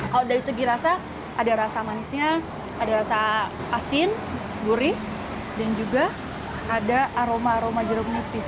kalau dari segi rasa ada rasa manisnya ada rasa asin gurih dan juga ada aroma aroma jeruk nipis